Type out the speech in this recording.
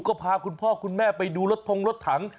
ก็พาคุณพ่อคุณแม่ไปดูรถทงรถถัง